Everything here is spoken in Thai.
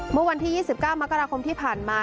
เมื่อวันที่๒๙มกราคมที่ผ่านมา